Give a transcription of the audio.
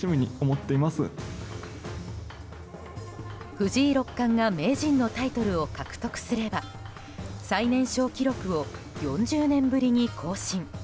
藤井六冠が名人のタイトルを獲得すれば最年少記録を４０年ぶりに更新。